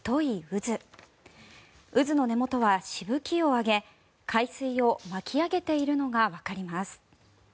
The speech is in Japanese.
渦の根元はしぶきを上げ海水を巻き上げているのがわかります。